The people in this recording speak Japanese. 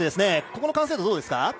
この完成度、どうですか。